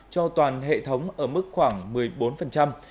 cho toàn hệ thống ở mức khoảng một mươi bốn triệu m ba